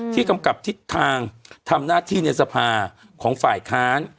กำกับทิศทางทำหน้าที่ในสภาของฝ่ายค้าน